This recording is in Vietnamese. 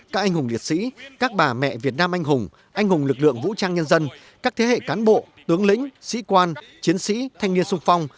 các anh hùng liệt sĩ các bà mẹ việt nam anh hùng anh hùng lực lượng vũ trang nhân dân các thế hệ cán bộ tướng lĩnh sĩ quan chiến sĩ thanh niên sung phong